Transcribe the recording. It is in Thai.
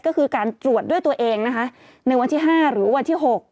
ก็คือการตรวจด้วยตัวเองนะคะในวันที่๕หรือวันที่๖